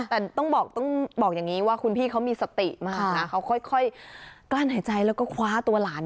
แต่ต้องบอกต้องบอกอย่างนี้ว่าคุณพี่เขามีสติมากนะเขาค่อยกลั้นหายใจแล้วก็คว้าตัวหลาน